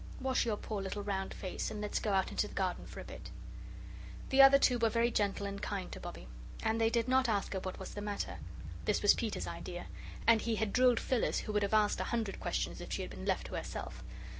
Wash your poor little round face, and let's go out into the garden for a bit." The other two were very gentle and kind to Bobbie. And they did not ask her what was the matter. This was Peter's idea, and he had drilled Phyllis, who would have asked a hundred questions if she had been left to herself.